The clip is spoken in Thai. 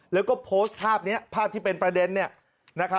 แล้วก็โพสต์ภาพนี้ภาพที่เป็นประเด็น